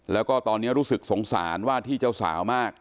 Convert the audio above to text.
แล้วก็ตอนนี้รู้สึกสงสารว่าที่เจ้าสาวมาก